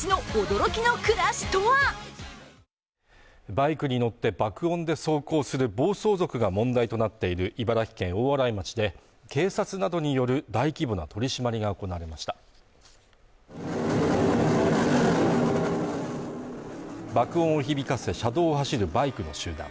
バイクに乗って爆音で走行する暴走族が問題となっている茨城県大洗町で警察などによる大規模な取り締まりが行われました爆音を響かせ車道を走るバイクの集団